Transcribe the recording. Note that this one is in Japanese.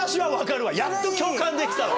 やっと共感できたわ。